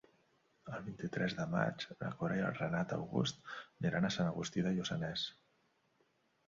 El vint-i-tres de maig na Cora i en Renat August iran a Sant Agustí de Lluçanès.